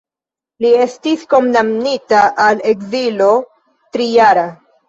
Li estis kondamnita al ekzilo trijara.